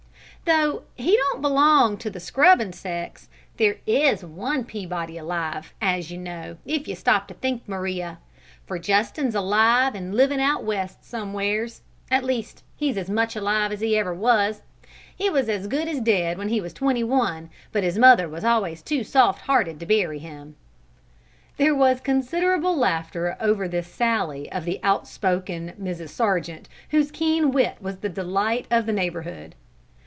"Though he don't belong to the scrubbin' sex, there is one Peabody alive, as you know, if you stop to think, Maria; for Justin's alive, and livin' out West somewheres. At least, he's as much alive as ever he was; he was as good as dead when he was twenty one, but his mother was always too soft hearted to bury him." There was considerable laughter over this sally of the outspoken Mrs. Sargent, whose keen wit was the delight of the neighbourhood.